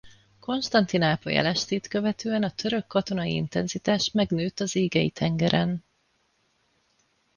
Konstantinápoly elestét követően a török katonai intenzitás megnőtt az Égei-tengeren.